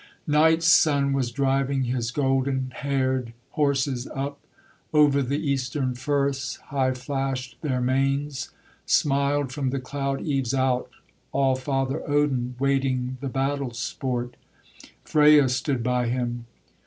Night's son was driving His golden haired horses up; Over the eastern firths High flashed their manes. Smiled from the cloud eaves out Allfather Odin, Waiting the battle sport: Freya stood by him.